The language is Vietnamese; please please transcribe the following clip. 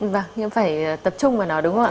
vâng nhưng phải tập trung vào nó đúng không ạ